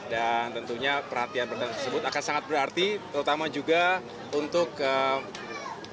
dan tentunya perhatian berterima kasih tersebut akan sangat berarti terutama juga untuk kemampuan